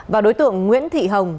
và đối tượng nguyễn thị hồng